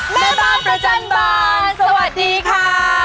แม่บ้านประจันบานสวัสดีค่ะ